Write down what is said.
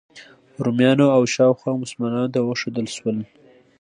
رومیانو او شاوخوا مسلمانانو ته وښودل شول.